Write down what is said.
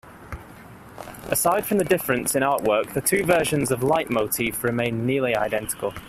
Aside from the difference in artwork, the two versions of "Leitmotif" remain nearly identical.